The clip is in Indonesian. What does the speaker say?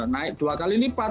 naik dua kali lipat